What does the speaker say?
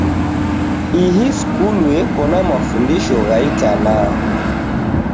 Ihii skulu eko na mafundisho gha itanaa.